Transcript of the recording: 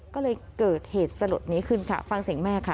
ก็เลยเกิดเหตุสลดนี้ขึ้นค่ะฟังเสียงแม่ค่ะ